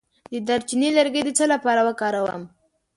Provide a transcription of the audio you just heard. د دارچینی لرګی د څه لپاره وکاروم؟